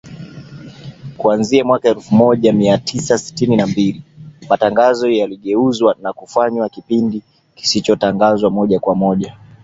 Kuanzia mwaka elfu moja mia tisa sitini na mbili, matangazo yaligeuzwa na kufanywa kipindi kilichotangazwa moja kwa moja.